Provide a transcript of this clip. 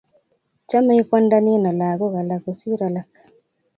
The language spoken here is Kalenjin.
Chamei kwanda nino lagok alak kosir alak